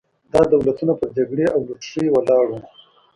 دا دولتونه پر جګړې او لوټرۍ ولاړ وو.